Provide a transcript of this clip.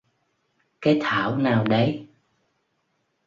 cái thảo nào đấy